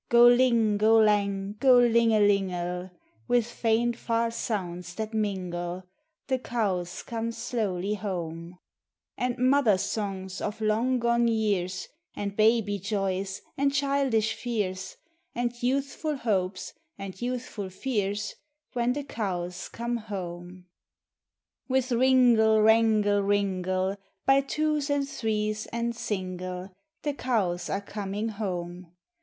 Go ling, go lang, golinglelingle, With faint far sounds that mingle, The cows come slowly home; And mother songs of long gone years, And baby joys, and childish fears, And youthful hopes, and youthful fears, When the cows come home. With ringle, rangle, ringle, \\y twos and threes and single, The cows are coming home.